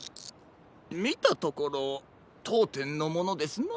みたところとうてんのものですな。